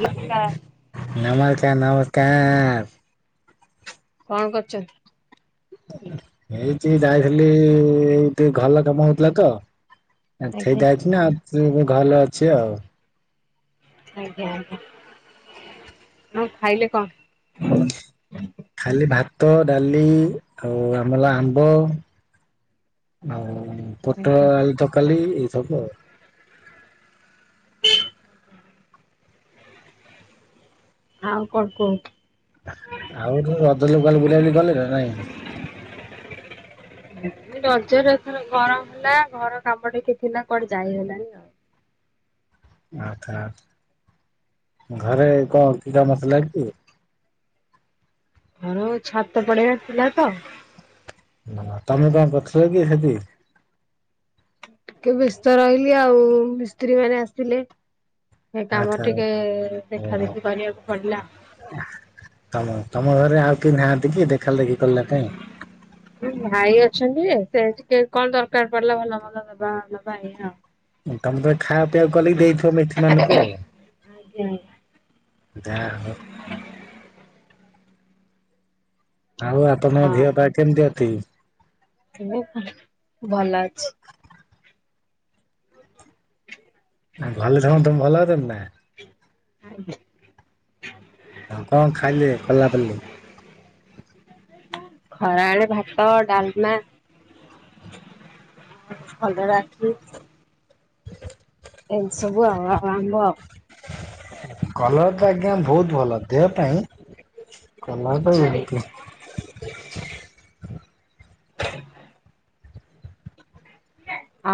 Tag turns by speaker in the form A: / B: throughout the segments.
A: ନମସ୍କାର।
B: ନମସ୍କାର ନମସ୍କାର।
A: କଣ କରୁଛନ୍ତି?
B: ଏଇଠି ଯାଇଥିଲି ଟିକେ ଘର କାମ ହଉଥିଲା ତ
A: ଆଜ୍ଞା।
B: ସେଇଟା ଅଛି ନା ଆଉ ତ ଭଲ ଅଛି ଆଉ।
A: ଆଜ୍ଞା ଆଜ୍ଞା ଆଉ ଖାଇଲେ କଣ?
B: ଖାଲି ଭାତ ଡାଳି ଆଉ ଆମର ଆମ୍ବ ଆଉ ପୋଟଳ
A: ଆଜ୍ଞା।
B: ଆଳୁ ତ ଖାଲି ଏ ସବୁ ଆଉ
A: ଆଉ କଣ କହୁ?
B: ଆଉ ରଜରେ ଯଉ ବୁଲାବୁଲି କଲେ ନା ନାଇଁ?
A: ରଜରେ ଏଥର ଗରମ ହେଲା ଘର କାମ ଟିକେ ଥିଲା କୁଆଡ଼େ ଯାଇ ହେଲାନି ଆଉ।
B: ଆଚ୍ଛା ଘରେ କଣ ପିଟା ମସଲା କି?
A: ଘର ଛାତ ପଡ଼ିବାର ଥିଲା ତ।
B: ତମେ କଣ କରିଥିଲ କି ସେଠି?
A: ଟିକେ ବ୍ୟସ୍ତ ରହିଲି ଆଉ ମିସ୍ତ୍ରୀ ମାନେ ଆସିଲେ। ସେ କାମ
B: ଆଚ୍ଛା
A: ଟିକେ ଦେଖା
B: ଓହୋ
A: ଦେଖି କରିବାକୁ ପଡ଼ିଲା।
B: ତମ ତମ ଘରେ ଆଉ କେହି ନାହାନ୍ତି କି ଦେଖାଦେଖି କରିବା ପାଇଁ?
A: ଭାଇ ଅଛନ୍ତି ସେ ଟିକେ କଣ ଦରକାର ପଡ଼ିବା ଭଲ ମନ୍ଦ ଦବା ନବା ଏଇଆ।
B: ତମେ ତ ଖାଇବା ପିଇବା କରିବାକୁ ଦେଇଥିବ ମିସ୍ତ୍ରୀ ମାନଙ୍କୁ ଆଉ।
A: ହୁଁ।
B: ଯାହା ହେଉ। ଆଉ ଆପଣଙ୍କ ଦେହପାହା କେମିତି ଅଛି?
A: ମୁଁ ଭଲ ଅଛି ।
B: ତମେ ଭଲ ଅଛ ନା?
A: ଆଜ୍ଞା ।
B: ଆଉ କଣ ଖାଇଲେ କଲାବେଳେ?
A: ଖରାବେଳେ ଭାତ ଡାଲମା ଭଲରେ ଅଛି। ଆଉ ଆମ୍ବ ଆଉ।
B: [inaudible] କଲରା ଟା ଆଜ୍ଞା ବହୁତ ଭଲ ଦେହ ପାଇଁ କଲରା ଟା ବହୁତ ଭଲ ।
A: [unintelligible]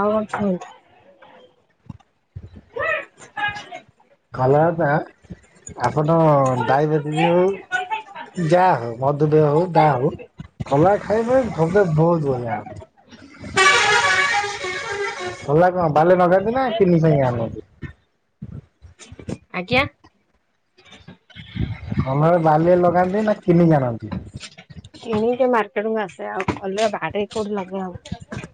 A: ଆଉଁ ଅଛୁଁ?
B: କଲରାଟା ଆପଟ ଡାଇବେଟିସ ହଉ ଯା ହଉ ମଧୁମେହ ହଉ ଯାହା ହଉ କଲରା ଖାଇବେ ମୋତେ ବହୁତ୍ ବଢିଆ ହବ ।
A: [unintelligible]
B: କଲରା କଣ ବାରିରେ ଲଗାନ୍ତି ନା କିନି ପାଇଁ ଆଣନ୍ତି?
A: ଆଜ୍ଞା।
B: କଲରା ବାଲିରେ ଲଗାନ୍ତି ନା କିଣିକି ଆଣନ୍ତି?
A: ତେଣୁ ଆସେ ଆଉ ଭଲ ବାଡେ କୋଉଠି ଲଗାହୋଉଛି?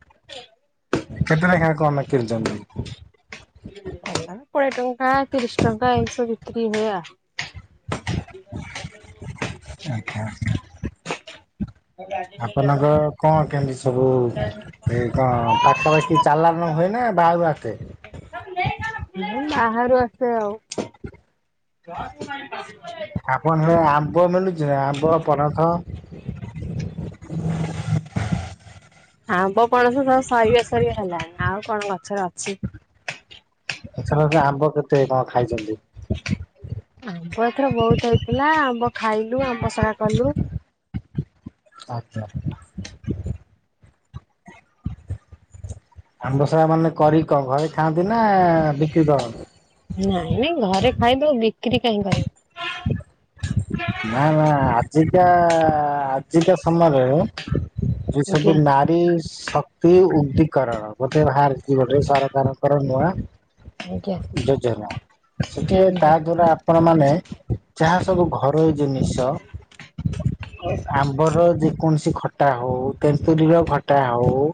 B: କେତେ ନେଖା କମାଇ କିନିଚନ୍ତି?
A: କୋଡ଼ିଏ ଟଙ୍କା ତିରିଶ ଟଙ୍କା ଏମିତି ସବୁ ବିକ୍ରି ହୁଏ ଆ
B: ଆଚ୍ଛା ଆଚ୍ଛା। ଆପଣଙ୍କ କଣ କେମିତି ସବୁ ଏ-କଣ ପାଖାପାଖି ଚାଲା ଣ ହୁଏ ନା ବାହରୁ ଆସେ?
A: ଏଇ ବାହାରୁ ଆସେ ଆଉ।
B: ଆପଣ ହିୟାଡେ ଆମ୍ବ ମିଳୁଚି ନା ଆମ୍ବ, ପଣସ?
A: ହ [unintelligible] ଆମ୍ବ, ପଣସ ସବୁ ସରିବ ସରିବ ହେଲାଣି। ଆଉ କଣ ଗଛରେ ଅଛି?
B: ଏଥର ରେ ଆମ୍ବ କେତେ କଣ ଖାଇଚନ୍ତି?
A: ଆମ୍ବ ଏଥର ବହୁତ ହେଇଥିଲା। ଆମ୍ବ ଖାଇଲୁ, ଆମ୍ବସରା କଲୁ।
B: ଆଚ୍ଛା। ଆମ୍ବସରା ମାନେ କରି କଣ ଘରେ ଖାଆନ୍ତି ନା ବିକ୍ରି କରନ୍ତି?
A: ନାଇଁ ନାଇଁ ଘରେ ଖାଇଦୋଉ ବିକ୍ରି କାହିଁ କରିବୁ।
B: ନା ନା ଆଜିକା ଆଜିକା ସମୟରେ ଆଚ୍ଛା ସବୁ
A: ଆଜ୍ଞା
B: ନାରୀ ଶ୍ ଶକ୍ତି ଉଦିକରଣ ଗୋଟେ ଭାରିଚି ଗୋଟେ ସରକାରଙ୍କର ନୂଆ
A: ଆଜ୍ଞା
B: ଯୋଜନା ସେଠି ତା
A: ଆଜ୍ଞା।
B: ଦ୍ଵାରା ଆପଣ ମାନେ ଯାହା ସବୁ ଘରୋଇ ଜିନିଷ ଆମ୍ବର ଯେ କୌଣସି ଖଟା ହଉ, ତେନ୍ତୁଲିର ଖଟା ହଉ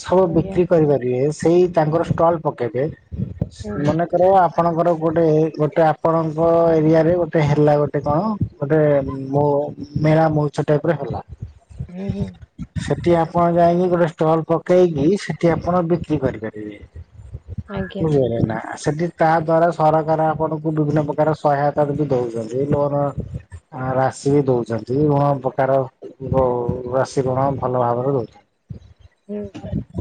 B: ସବୁ
A: ଆଜ୍ଞା
B: ବିକ୍ରି କରିପାରିବେ। ସେଇ ତାଙ୍କର ଷ୍ଟଲ୍ ପକେଇବେ ।
A: ଆଜ୍ଞା
B: ମନେକର ଆପଣଙ୍କର ଗୋଟେ ଗୋଟେ ଆପଣଙ୍କ ଏରିଆ ରେ ଗୋଟେ ହେଲା ଗୋ ଟେ କଣ ଗୋଟେ ମୋ-ମେଳା ମଉଛ ଟାଇପ୍ ର ହେଲା । ସେଠି ଆପଣ ଯାଇକି ଗୋଟେ ଷ୍ଟଲ ପକେଇକି ସେଠି ଆପଣ ବିକ୍ରି କରିପାରିବେ ।
A: ଆଜ୍ଞା
B: ବୁଝିପାରିଲେ ନା ସେଠି ତା ଦ୍ଵାରା ସରକାର ଆପଣଙ୍କୁ ବିଭିନ୍ନ ପ୍ରକାର ସହାୟତା ଯଦି ଏଇ ମୋରା ଆ ରାଶି ଦୋଉଛନ୍ତି, ନୁଅ ପ୍ରକାର ଭଅ ରାଶି ଗୁଣ ଭଲ ଭାବରେ ଦୋଉଛନ୍ତି।
A: ହୁଁ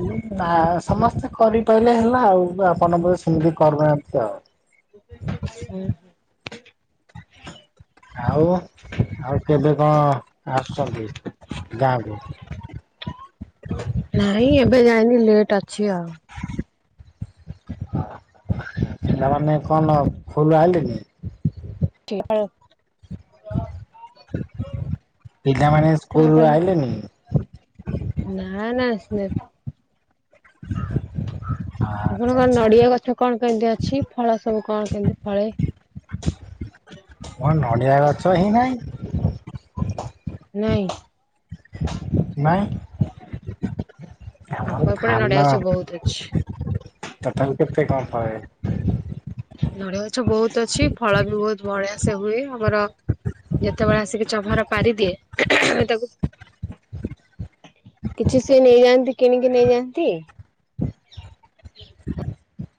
B: ଉଁ ନା, ସମସ୍ତେ କରିପାରିଲେ ହେଲା ଆଉ, ଆପଣ ବୋଧେ ସେମିତି କରୁନାହାନ୍ତି ଆଉ।
A: ହୁଁ।
B: ଆଉ ଆଉ କେବେ କଁ ଆସୁଛନ୍ତି ଗାଁକୁ?
A: ନାଇଁ ଏବେ ଯାଇନି ଲେଟ୍ ଅଛି ଆଉ । [inaudible]
B: ପିଲାମାନେ କଣ ସ୍କୁଲରୁ ଆଇଲେଣି?
A: ଠିକ୍ ଆଉ।
B: ପିଲାମାନେ ସ୍କୁଲ
A: କଣ
B: ରୁ
A: କହିଲେ?
B: ଆଇଲେଣି?
A: ନା ନା ଆସିନାହାନ୍ତି।
B: ଆଚ୍ଛା
A: ଆପଣଙ୍କର
B: ଆଚ୍ଛା
A: ନଡିଆ ଗଛ କଣ କେମତି ଅଛି? ଫଳ ସବୁ କଣ କେମିତି ଫଳେ?
B: ମୋ ନଡିଆ ଗଛ ହିଁ ନାହିଁ।
A: ନାଇଁ
B: ନାଇଁ। ଆମର
A: ଆମ ଏପଟେ ନଡିଆ ସବୁ ବହୁତ ଅଛି।
B: ତଥାପି କେତେ କଣ ଫଳେ?
A: ନଡ଼ିଆ ଗଛ ବହୁତ ଅଛି ଫଳ ବି ବହୁତ ବଢିଆ ସେ ହୁଏ ଆମର ଯେତେବେଳେ ଆସିକି ଚଭାର ପାରିଦିଏ ତାକୁ କିଛି ସିଏ ନେଇଯାଆନ୍ତି କିଣିକି ନେଇଯାଆନ୍ତି।
B: [inaudible]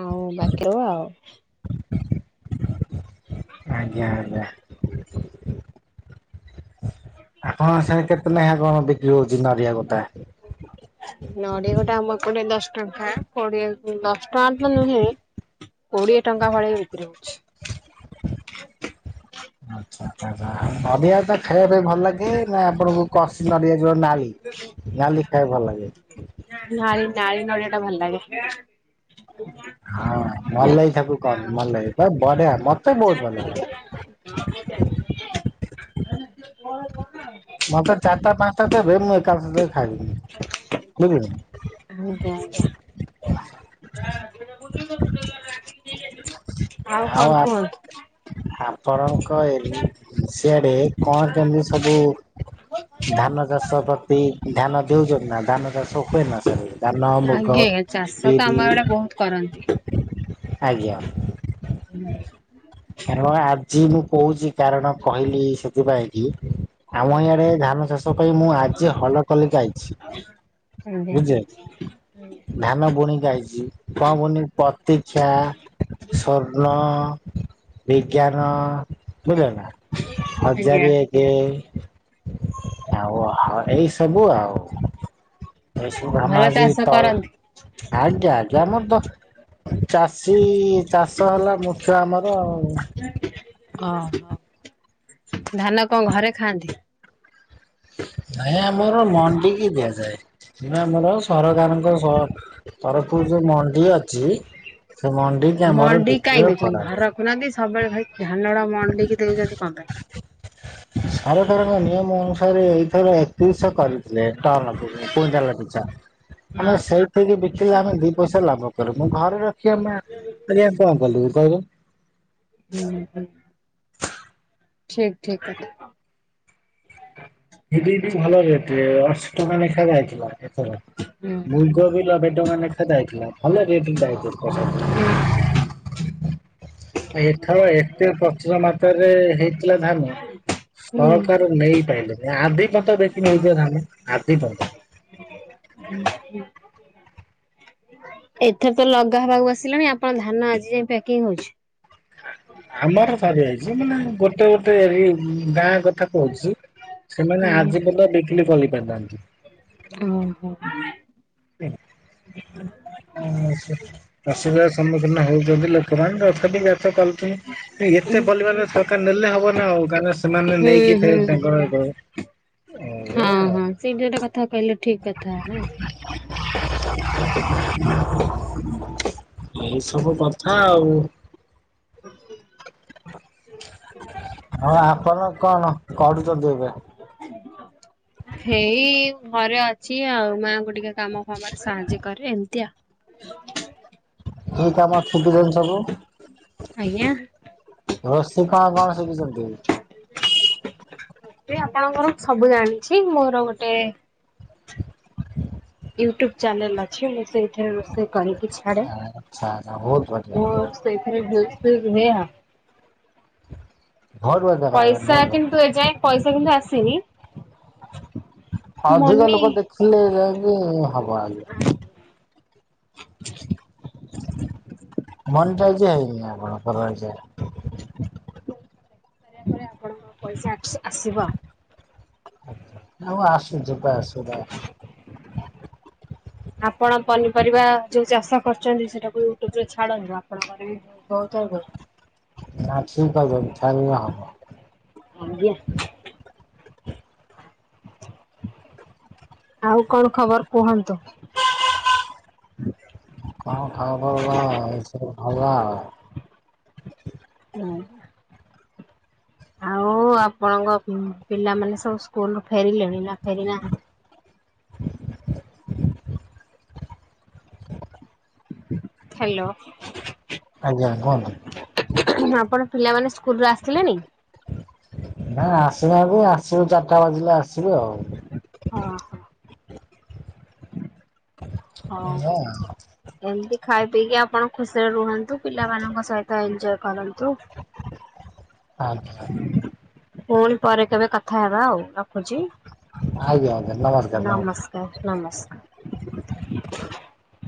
A: ଆଉ ବାକି ଆଉ
B: ଆଜ୍ଞା ଆଜ୍ଞା। ଆ କଣ ସେ କେତେ ନା କଣ ବିକ୍ରି ହଉଛି ନଡିଆ ଗୋଟା?
A: ନଡ଼ିଆ ଗୋଟେ ଆମ ଏପଟେ ଦଶ ଟଙ୍କା ପଡିଆ ଦଶ ତାର ତ ନୁହେଁ, କୋଡିଏ ଟଙ୍କା ଭଳି ବିକ୍ରି ହଉଛି । [inaudible]
B: ଆଚ୍ଛା ନଡିଆ ତ ଖାଇବା ପାଇଁ ଭଲ ଲାଗେ ନା ଆପଣଙ୍କୁ କଷି ନଡିଆ ଯୋଉ ନାଳି, ନାଳି ଖାଇବାକୁ ଭଲ ଲାଗେ।
A: ନାଳି ନାଳି ନଡିଆ ଟା, ଭଲ ଲାଗେ ।
B: ହଁ
A: [inaudible]
B: ମଲେଇ ଥାକୁ କହନ୍ତି। ମଲେଇ ବା ବଢିଆ, ମତେ ବହୁତ ଭଲ ଲାଗେ।
A: ହଁ
B: ମତେ ଚାରିଟା, ପାଞ୍ଚଟା ଦେବେ ମୁଁ ଏକା ଥରକେ ଖାଇବି, ବୁଝିଲୁ ।
A: ଆଜ୍ଞା, ଆଜ୍ଞା।
B: [inaudible]
A: ଆଉ କଣ କୁହନ୍ତୁ।
B: ଫରଙ୍କ ହେରି, ସିଆଡେ କଣ, କେମିତି ସବୁ ଧାନ ଚାଷ ପ୍ରତି, ଧ୍ୟାନ ଦେଉଛନ୍ତି ନା? ଧାନ ଚାଷ ହୁଏ ନା ସେ ଧାନ, ମୁଗ,
A: ଆଜ୍ଞା ଆଜ୍ଞା ଚାଷ ତ ଆମ
B: ବିରି
A: ଆଡେ ବହୁତ କରନ୍ତି।
B: ଆଜ୍ଞା। କାରଣ ଆଜି ମୁଁ କହୁଛି ।କାରଣ କହିଲି ସେଥିପାଇଁ, କି ଆମ ଇଆଡେ ଧାନ ଚାଷ କ ମୁଁ ଆଜି ହଲ କରିକି ଆଇଛି।
A: ଆଜ୍ଞା ।
B: ବୁଝିଲେ ଧାନ ବୁଣିକି ଆଇଛି କଣ ବୁଣି ପ୍ରତିକ୍ଷା ସ୍ୱର୍ଣ୍ଣ ବିଜ୍ଞାନ ବୁଝ ନା
A: ଆଜ୍ଞା
B: ହଜାରେ ଏକ ଆଉ' ହାଉ, ଏଇ ସବୁ ଆଉ'। ଏ ସବୁ, ଆମେ
A: ଭଲ
B: ଆଜି,
A: ଚାଷ
B: ତଳ
A: କରନ୍ତି।
B: ଆଜ୍ଞା ଆଜ୍ଞା ମୁଁ ତ ଚାଷ ଚାଷୀ ଚାଷ ହେଲା ମୁଖ୍ୟ ଆମର।
A: ଓ ହୋ ।ଧାନ କଣ ଘରେ ଖାଆନ୍ତି?
B: ନାଇଁ ଆମର ମଣ୍ଡି କି ଦିଆଯାଏ। ଆମର ସରକାରଙ୍କ ସହ, ତରଫରୁ ଯୋଉ' ମଣ୍ଡି ଅଛି ସେ ମଣ୍ଡି କି ଆମର,
A: ମଣ୍ଡି କାଇଁ
B: ବିକ୍ରିୟ
A: ଦଉଛନ୍ତି
B: କରା
A: ଘରେ
B: ଯାଏ।
A: ରଖୁନାହାନ୍ତି ସବୁବେଳେ ଭାଇ ଧାନଟା ମଣ୍ଡକି ଦେଉଛନ୍ତି କଣ, ପାଇଁ?
B: ସରକାରଙ୍କ ନିୟମ ଅନୁସାରେ, ଏଇଥର ଦୁଇ ଶହ କରିଥିଲେ ଟନ୍ କୁଣ୍ଟାଲ ପିଛା।
A: ହଁ
B: ଆମେ ସେଇଠିକି ବିକିଲେ, ଆମେ ଦି ପଇସା ଲାଭ କରିବୁ। ମୁଁ ଘରେ ରଖି ଆମେ କଣ କଲୁ କହିବ।
A: ହୁଁ, ପା ଠିକ୍, ଠିକ୍ କଥା।
B: ସେ ଦିଏ ଭଲ ରେଟ୍ ଅଶୀ ଟଙ୍କା ଲେଖା ଯାଇଥିଲା। ଏଥର,
A: ହୁଁ
B: ମୁଲକୋବି ନବେ ଟଙ୍କା ଲେଖାଁ ଯାଇଥିଲା ।ଭଲ ରେଟ୍ ରେ ଯାଇଥିଲା
A: ହୁଁ।
B: ଏଥର ଏତେ ପ୍ରଚୁର ମାତ୍ରାରେ, ହେଇଥିଲା ଧାନ
A: ହୁଁ
B: ସକାର ନେଇପାରିଲେନି ଆଧିପନ୍ତ ଦେଖି ନଥ ଧାନେ ଆଧିପନ୍ତ।
A: ହୁଁ। ଏଥର ତ ଲଗା ହବାକୁ ଆସିଲାଣି ଆପଣ ଧାନ ଆଜି ଯାଇ ପକିଂ ହଉଛି।
B: ଆମର ସରିଯାଇଛି ମାନେ ଗୋଟେ ଗୋଟେ ଏ ଗାଁ ଗ କଥା କହୁଛି ସେମାନେ ଆଜି ପଦା ବିକ୍ରି କରିପାରିଥାନ୍ତି।
A: ଓ ହୋ।
B: ଅସୁବିଧା ସମ୍ମୁଖୀନ ହଉଛନ୍ତି ଲୋକମାନେ କୁ ଏତେ
A: ହୁଁ
B: ପରିବାର ସରକାର ନେଲେ ହବ ନା ଆଉ ଗା
A: ହୁଁ ହୁଁ ହ ହଁ ହଁ ସେଠି ଯୋଟା କଥା କହିଲେ ଠିକ। ଠିକ କଥା ନା।
B: ଏଇ ସବୁ କଥା ଆଉ।
A: [inaudible]
B: ହଁ ଆପଣ କଣ କରୁଛନ୍ତି ଏବେ?
A: ହେଇ ଘରେ ଅଛି ଆଉ ମାଆଙ୍କୁ ଟିକେ କାମ କାମାରେ ସାହାଯ୍ୟ କରେ ଏମିତିଆଉ। [inaudible]
B: [unintelligible]
A: ଆଜ୍ଞା?
B: ରଷେଇ କଣ କଣ ଶିଖିଛନ୍ତି?
A: ଆପଣଙ୍କର ସବୁ ଜାଣିଛି ମୋର ଗୋଟେ ୟୁଟୁବ ଚାନେଲ ଅ ମୁଁ ସେଥିରେ ରୋଷେଇ କରିକି ଛାଡ଼େ।
B: ଆଚ୍ଛା ଆଚ୍ଛା ବହୁତ ବଢିଆ
A: କେବଳ ସେଇଥିରେ ବ୍ୟସ୍ତ ରୁହେ ଆଉ।
B: ବହୁତ ବଢିଆ ବହୁତ
A: ପଇସା
B: ବଢିଆ।
A: କିନ୍ତୁ ଏଯାଏ ପଇସା କିନ୍ତୁ ଆସିନି
B: ଅଧିକ
A: ମନି
B: ଲୋକ ଦେଖିଲେ ଯାଇକି ହବ ଆଜ୍ଞା।
A: [inaudible]
B: ମନିଟାଇଜ ହେଇନି ଆପଣଙ୍କର ଏଯାଏଁ।
A: ର ପରେ ଆପଣଙ୍କର ପଇସା ଆସିବ।
B: ଆଉ ଆସୁ ଯିବା ଆସୁ ବା ଆସ
A: ଆପଣ ପନିପରିବା ଯୋଉ ଚାଷ କରୁଛନ୍ତି, ସେଟାକୁ ୟୁଟ୍ୟୁବ ରେ ଛାଡନ୍ତୁ ଆପଣଙ୍କର ବି ବହୁତ [unintelligible]
B: ନା ଠିକ୍ କହିଛନ୍ତି, ଛାଡିଲେ
A: ଆଜ୍ଞା।
B: ହବ। [inaudible]
A: ଆଉ କଣ ଖବର କୁହନ୍ତୁ?
B: କଣ ଖବର ଏଇସବୁ ଭଲ ଆଉ।
A: ହୁଁ। ଆଉ ଆପଣଙ୍କ ପିଲାମାନେ ସବୁ ସ୍କୁଲରୁୁ ଫେରିଲେଣି ନା ଫେରି ନାହାନ୍ତି?
B: [inaudible]
A: ହ୍ୟାଲୋ।
B: ଆଜ୍ଞା କୁହନ୍ତୁ
A: ଆପଣ ପିଲାମାନେ ସ୍କୁଲ ରୁ ଆସିଲେଣିି?
B: ନା ଆସିନାହାନ୍ତି ଆସିବୁ ଚାରିଟା ବାଜିଲେ ଆସିବୁ ଆଉ।
A: ହଁ ହୋ। ହଁ ଏମିତି ଖାଇ ପିଇକି ଆପଣ ଖୁସି ରେ ରୁହନ୍ତୁ ପିଲାମାନଙ୍କ ସହିତ ଏଞଜୟ କରନ୍ତୁ।
B: ହ।
A: ପୁନ ପରେ କେବେ କଥା ହେବା ଆଉ ରଖୁଛି।
B: ଆଜ୍ଞା ଆଜ୍ଞା ନମସ୍କାର
A: ନମସ୍କାର ନମସ୍କାର।